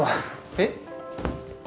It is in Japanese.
えっ？